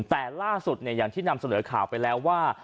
แต่ล่าสุดอย่างที่นำเสนอข่าวไปแล้วว่า